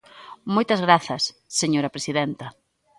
Moitas grazas, señora presidenta.